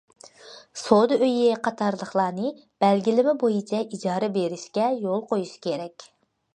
سودا ئۆيى قاتارلىقلارنى بەلگىلىمە بويىچە ئىجارە بېرىشكە يول قويۇش كېرەك.